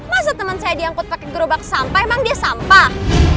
masa temen saya diangkut pake gerobak sampah emang dia sampah